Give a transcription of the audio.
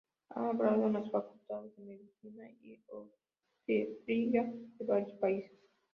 Ha hablado en las facultades de medicina y obstetricia de varios países.